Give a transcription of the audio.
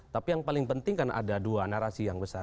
tapi yang paling penting kan ada dua narasi yang besar